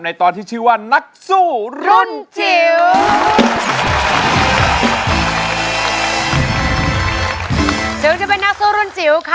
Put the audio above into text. ตอนที่ชื่อว่านักสู้รุ่นจิ๋วค่ะ